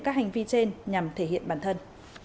các hành vi trên nhằm thể hiện bản thân